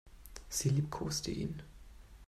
Sie liebkoste ihn.